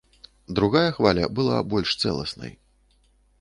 Другая хваля была больш цэласнай.